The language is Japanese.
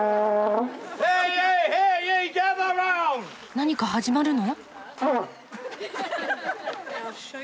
何か始まるの？